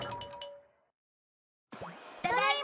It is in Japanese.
ただいま！